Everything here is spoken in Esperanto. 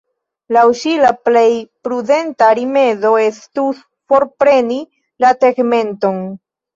Laŭ ŝi la plej prudenta rimedo estus forpreni la tegmenton.